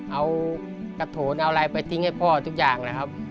เอากระโถนเอาอะไรไปทิ้งให้พ่อทุกอย่างนะครับ